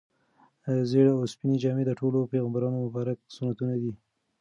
ږیره او سپینې جامې د ټولو پیغمبرانو مبارک سنتونه دي.